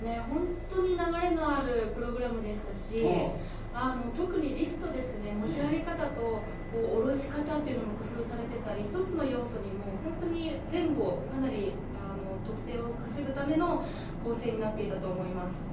本当に流れのあるプログラムでしたし、特にリフトですね、持ち上げ方と、降ろし方っていうのも工夫されてたり、１つの要素に本当に前後、かなり得点を稼ぐための構成になっていたと思います。